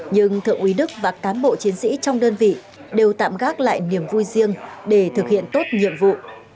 nhưng thượng úy đức và cán bộ chiến sĩ trong đơn vị đều tạm gác lại niềm vui riêng để thực hiện tốt nhiệm vụ